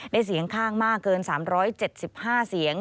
เสียงข้างมากเกิน๓๗๕เสียง